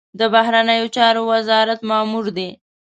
د بهرنیو چارو وزارت مامور دی.